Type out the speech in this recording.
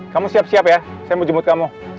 kamu siap siap ya saya mau jemput kamu